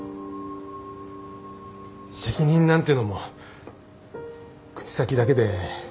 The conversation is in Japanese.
責任なんていうのも口先だけで。